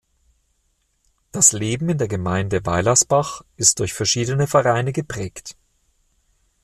Das Leben in der Gemeinde Weilersbach ist durch verschiedene Vereine geprägt.